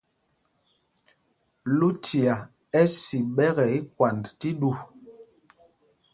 Lucia ɛ́ si ɓɛkɛ ikwand tí ɗû.